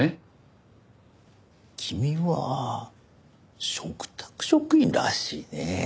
君は嘱託職員らしいね。